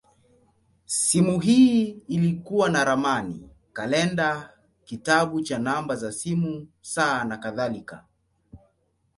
Simu hii ilikuwa na ramani, kalenda, kitabu cha namba za simu, saa, nakadhalika.